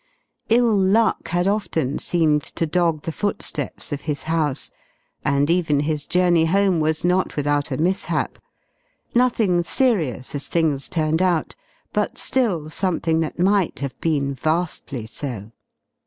Ill luck had often seemed to dog the footsteps of his house and even his journey home was not without a mishap; nothing serious, as things turned out, but still something that might have been vastly so.